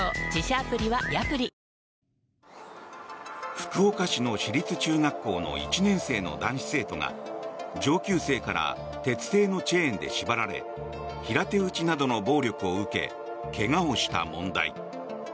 福岡市の私立中学校の１年生の男子生徒が上級生から鉄製のチェーンで縛られ平手打ちなどの暴力を受け怪我をした問題。